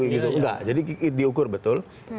enggak jadi diukur betul